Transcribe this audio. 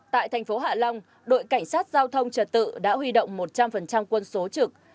tại thành phố hạ long đội cảnh sát giao thông trật tự đã huy động một trăm linh quân số trực